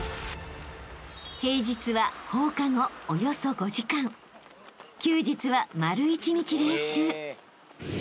［平日は放課後およそ５時間休日は丸１日練習］